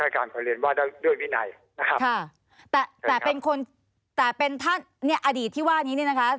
ก็เป็นท่านอดีตที่ว่านี้นี่นะครับ